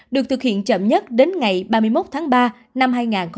được thực hiện chậm nhất đến ngày ba mươi một tháng ba năm hai nghìn hai mươi